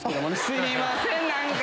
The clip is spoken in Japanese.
すみません何か。